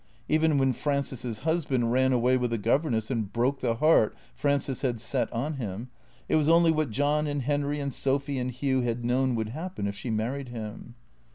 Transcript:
Even when Frances's husband ran away with the governess and broke the heart Frances had set on him, it was only what John and Henry and Sophy and Hugh had known would happen if she married him.